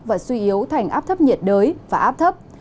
và suy yếu thành áp thấp nhiệt đới và áp thấp